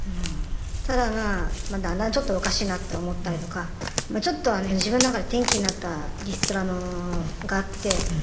ただまあだんだんちょっとおかしいなって思ったりとかちょっと自分の中で転機になったリストラがあって。